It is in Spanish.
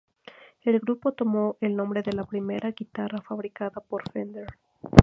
El grupo tomó el nombre de la primera guitarra fabricada por Fender.